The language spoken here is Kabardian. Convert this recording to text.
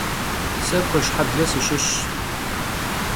Se Kueşşheble sışışş.